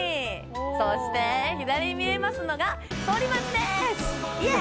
そして左に見えますのがソリマチです！